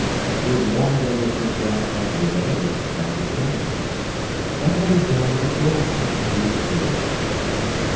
He had worn it ever since Raff handed it over, that was evident. What had he done with the gold one he used to wear?